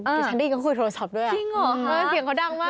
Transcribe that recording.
ดูฉันได้ยินเค้าคุยโทรศัพท์ด้วย